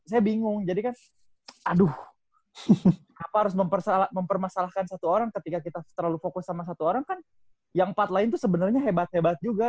saya bingung jadi kan aduh apa harus mempermasalahkan satu orang ketika kita terlalu fokus sama satu orang kan yang empat lain tuh sebenarnya hebat hebat juga